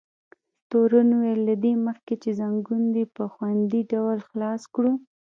تورن وویل: له دې مخکې چې ځنګون دې په خوندي ډول خلاص کړو.